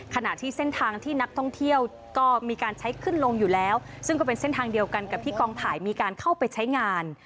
ขณะที่เส้นทางที่นักท่องเที่ยวก็มีการใช้ขึ้นลงอยู่แล้วซึ่งก็เป็นเส้นทางเดียวกันกับที่กองถ่ายมีการเข้าไปใช้งาน